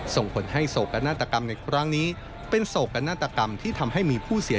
ส่งผลให้โศกนาตกรรมในกรางนี้